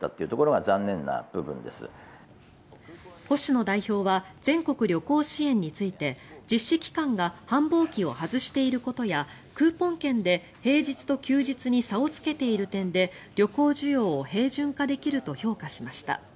星野代表は全国旅行支援について実施期間が繁忙期を外していることやクーポン券で平日と休日に差をつけている点で旅行需要を平準化できると評価しました。